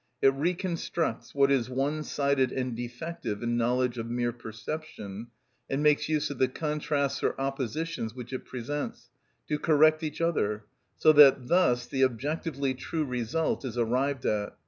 It reconstructs what is one sided and defective in knowledge of mere perception, and makes use of the contrasts or oppositions which it presents, to correct each other, so that thus the objectively true result is arrived at.